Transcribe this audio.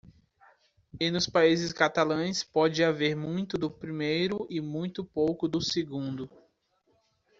E nos países catalães pode haver muito do primeiro e muito pouco do segundo.